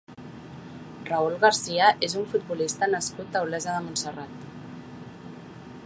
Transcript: Raúl García és un futbolista nascut a Olesa de Montserrat.